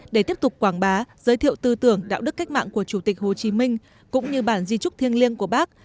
để tiếp tục quảng bá giới thiệu tư tưởng đạo đức cách mạng của chủ tịch hồ chí minh cũng như bản di trúc thiêng liêng của bác